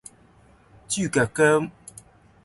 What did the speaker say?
豬腳薑